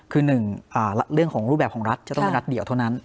คือหนึ่งเรื่องของรูปแบบของรัฐจะต้องเป็นรัฐเดียวเท่านั้น